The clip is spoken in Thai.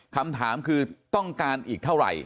คำถามคือต้องการอีกเท่าไหร่